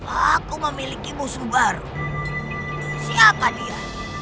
aku memiliki musuh baru siapa dia